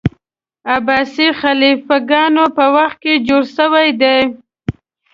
عباسي خلیفه ګانو په وخت کي جوړ سوی دی.